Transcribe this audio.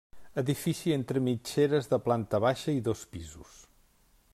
Edifici entre mitgeres de planta baixa i dos pisos.